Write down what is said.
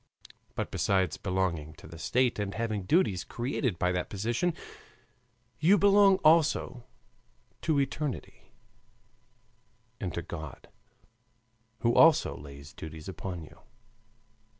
But besides belonging to the state and having duties created by that position, you belong also to eternity and to God, who also lays duties upon you.